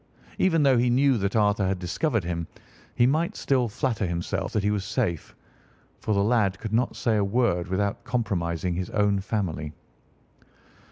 Even though he knew that Arthur had discovered him, he might still flatter himself that he was safe, for the lad could not say a word without compromising his own family.